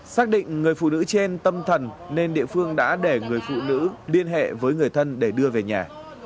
xác định người phụ nữ trên tâm thần nên địa phương đã để người phụ nữ liên hệ với người thân để đưa về nhà